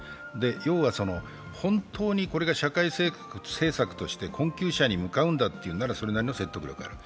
要は本当にこれが社会政策として、困窮者に向かうというなら、それなりの説得力はある。